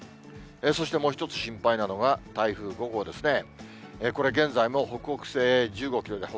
そしてもう一つ心配なのが、台風５号ですね。